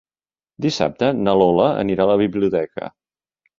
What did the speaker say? Dissabte na Lola anirà a la biblioteca.